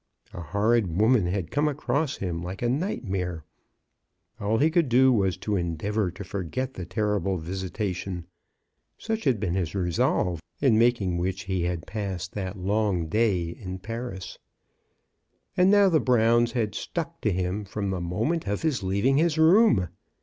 A horrid woman had come across him like a nightmare. All he could do was to endeavor to forget the terrible visitation. Such had been his resolve, in making which he had MRS. BROWN AT THOMPSON HALL. 73 passed that long day in Paris. And now the Browns had stuck to him from the moment of his leaving his room!'